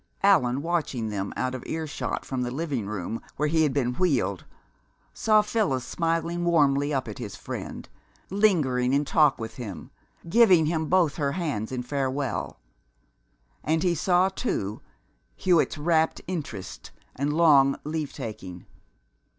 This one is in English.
Allan, watching them, out of earshot, from the living room where he had been wheeled, saw Phyllis smiling warmly up at his friend, lingering in talk with him, giving him both hands in farewell; and he saw, too, Hewitt's rapt interest and long leave taking.